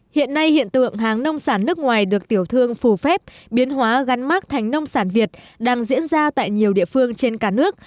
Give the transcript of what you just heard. hiện nay hiện tượng hàng nông sản nước ngoài được tiểu thương phù phép biến hóa gắn mát thành nông sản việt đang diễn ra tại nhiều địa phương trên cả nước